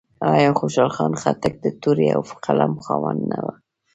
آیا خوشحال خان خټک د تورې او قلم خاوند نه و؟